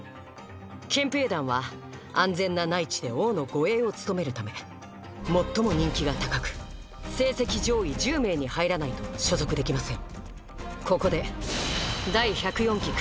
「憲兵団」は安全な内地で王の護衛を務めるため最も人気が高く成績上位１０名に入らないと所属できません。